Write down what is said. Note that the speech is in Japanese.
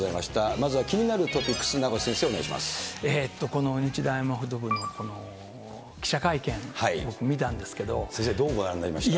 まずは気になるトピックス、この日大アメフト部の記者会見、先生、どうご覧になりました？